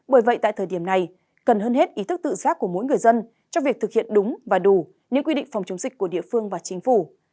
bởi vậy tại thời điểm này cần hơn hết ý thức tự giác của mỗi người dân trong việc thực hiện đúng và đủ những quy định phòng chống dịch của địa phương và chính phủ